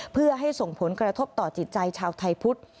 เพื่อให้ส่งผลกระทบต่อจิตใจชาวไทยพุทธ